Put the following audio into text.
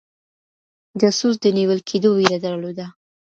جاسوس د نيول کيدو ويره درلوده.